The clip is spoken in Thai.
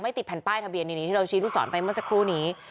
ติดแผ่นป้ายทะเบียนที่เราชี้ลูกศรไปเมื่อสักครู่นี้